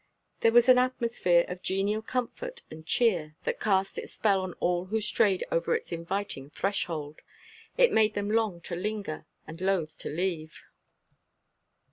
There was an atmosphere of genial comfort and cheer that cast its spell on all who strayed over its inviting threshold. It made them long to linger, and loath to leave.